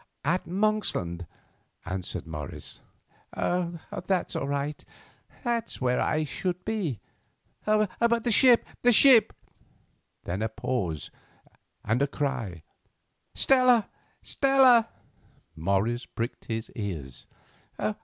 "At Monksland," answered Morris. "That's all right, that's where I should be, but the ship, the ship"—then a pause and a cry: "Stella, Stella!" Morris pricked his ears.